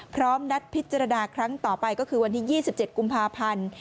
พร้อมนัดพิจารณาครั้งต่อไปก็คือวันที่๒๗กุมภาพันธ์